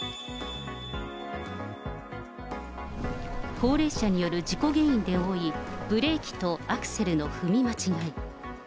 高齢者による事故原因で多い、ブレーキとアクセルの踏み間違い。